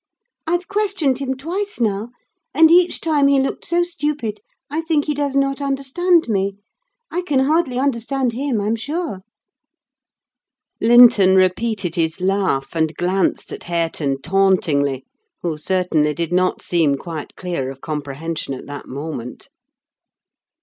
I've questioned him twice now, and each time he looked so stupid I think he does not understand me. I can hardly understand him, I'm sure!" Linton repeated his laugh, and glanced at Hareton tauntingly; who certainly did not seem quite clear of comprehension at that moment.